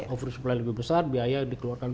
oversupply lebih besar biaya yang dikeluarkan